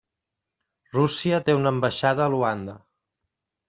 Rússia té una ambaixada a Luanda.